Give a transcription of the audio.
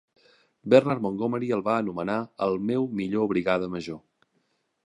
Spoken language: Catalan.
Bernard Montgomery el va anomenar "el meu millor brigada major".